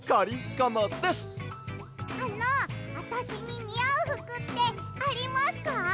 あのあたしににあうふくってありますか？